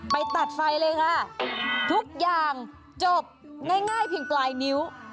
ตัดไฟเลยค่ะทุกอย่างจบง่ายเพียงปลายนิ้ว